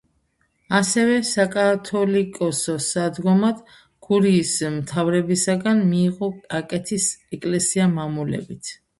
ასევე საკათოლიკოსო სადგომად გურიის მთავრებისაგან მიიღო აკეთის ეკლესია მამულებით.